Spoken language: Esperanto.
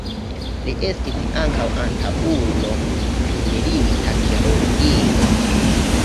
Li estis ankaŭ antaŭulo pri milita kirurgio.